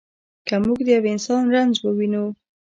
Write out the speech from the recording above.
که موږ د یوه انسان رنځ ووینو.